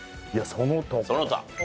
その他。